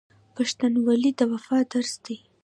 پښتونولي د وفا درس دی.